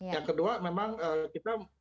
yang kedua memang kita